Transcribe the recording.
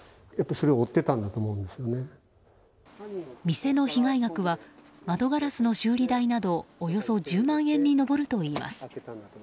店の被害額は窓ガラスの修理代などおよそ１０万円に上るといいます。